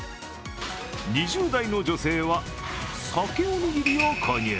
２０代の女性は鮭おにぎりを購入。